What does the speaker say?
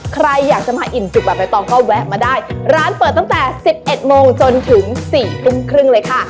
ใครอยากจะมาอิ่มจุกแบบใบตองก็แวะมาได้ร้านเปิดตั้งแต่๑๑โมงจนถึง๔ทุ่มครึ่งเลยค่ะ